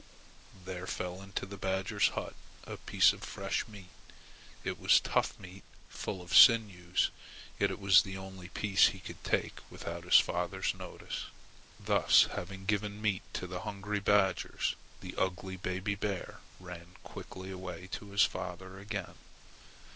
there fell into the badger's hut a piece of fresh meat. It was tough meat, full of sinews, yet it was the only piece he could take without his father's notice. Thus having given meat to the hungry badgers, the ugly baby bear ran quickly away to his father again.